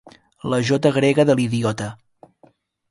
La jota grega de l'idiota.